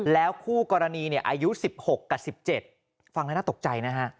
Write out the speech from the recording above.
แล้วคู่กรณีอายุ๑๖กับ๑๗ฟังแล้วน่าตกใจนะฮะ